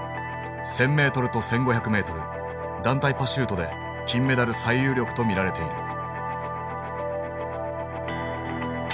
１，０００ｍと１，５００ｍ団体パシュートで金メダル最有力と見られている。